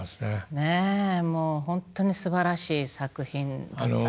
ねえもう本当にすばらしい作品だったですねえ。